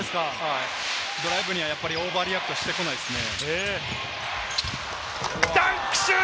ドライブにはオーバーリアップしてこないですね。